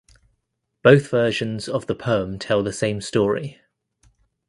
Both versions of the poem tell the same story.